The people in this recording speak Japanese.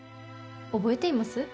覚えています？